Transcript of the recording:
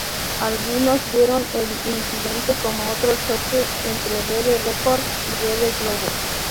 Algunos vieron el incidente como otro choque entre Rede Record y Rede Globo.